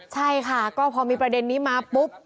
ใช่ค่ะก็พอมีประเด็นนี้มาปุ๊บ